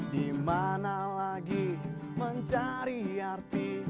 di mana lagi mencari arti